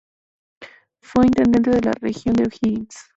Fue intendente de la Región de O'Higgins.